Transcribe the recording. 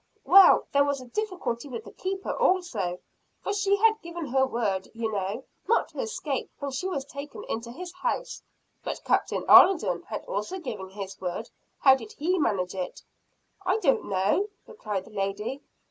"Well, there was a difficulty with the Keeper also for she had given her word, you know, not to escape, when she was taken into his house." "But Captain Alden had also given his word. How did he manage it?" "I do not know," replied the lady.